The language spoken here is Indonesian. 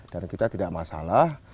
dan kita tidak masalah